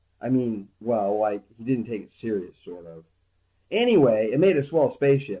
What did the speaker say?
I mean, well, like he didn't take it serious, sort of. Anyway, it made a swell spaceship.